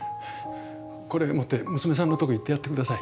これ持って娘さんのとこ行ってやってください。